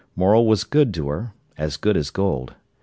Morel was good to her, as good as gold.